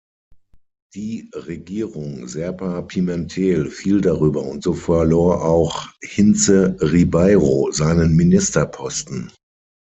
Die Regierung Serpa Pimentel fiel darüber und so verlor auch Hintze Ribeiro seinen Ministerposten.